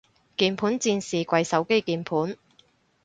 鍵盤戰士跪手機鍵盤